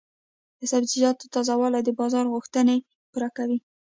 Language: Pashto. د سبزیجاتو تازه والي د بازار غوښتنې پوره کوي.